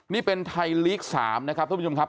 นี่เป็นไทยลีกสามนะครับพี่ผู้ชมครับ